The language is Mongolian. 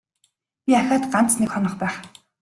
Би ахиад ганц нэг хонох байх.